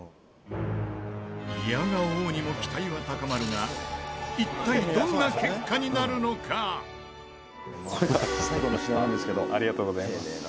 いやが応にも期待は高まるが一体「これが最後の品なんですけど」「ありがとうございます」